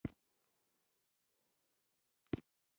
د چین استبدادي رژیم شکمن او بدبینه و.